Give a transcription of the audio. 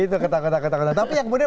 itu ketakutan ketakutan tapi yang kemudian